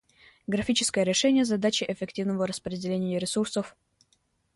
Графическое решение задачи эффективного распределения ресурсов